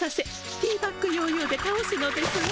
ティーバッグ・ヨーヨーでたおすのですわ。